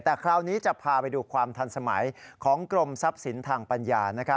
แต่คราวนี้จะพาไปดูความทันสมัยของกรมทรัพย์สินทางปัญญา